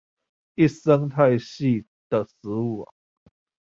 一生態系的食物網